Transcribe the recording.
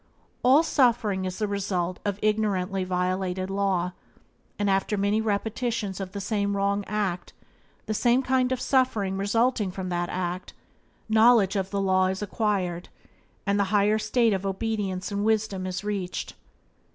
All suffering is the result of ignorantly violated law, and after many repetitions of the same wrong act, and the same kind of suffering resulting from that act, knowledge of the law is acquired, and the higher state of obedience and wisdom is reached.